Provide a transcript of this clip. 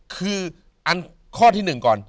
คืออันข้อที่หนึ่งก่อน